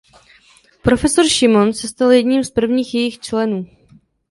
Prof. Šimon se stal jedním z prvních jejích členů.